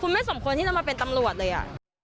ไม่สมควรที่จะมาเป็นตำรวจเลย